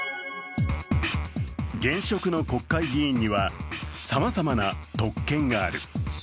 現職の国会議員にはさまざまな特権がある。